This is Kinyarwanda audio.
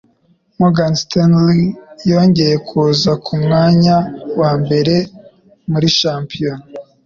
Morgan Stanley yongeye kuza ku mwanya wa mbere muri shampiyona